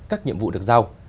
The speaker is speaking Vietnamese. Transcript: các nhiệm vụ được giao